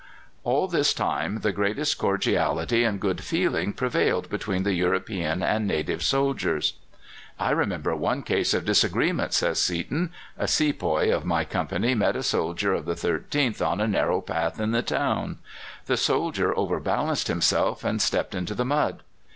All this time the greatest cordiality and good feeling prevailed between the European and native soldiers. "I remember one case of disagreement," says Seaton. "A sepoy of my company met a soldier of the 13th on a narrow path in the town. The soldier overbalanced himself, and stepped into the mud.